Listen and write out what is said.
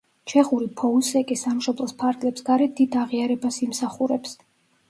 ჩეხური ფოუსეკი სამშობლოს ფარგლებს გარეთ დიდ აღიარებას იმსახურებს.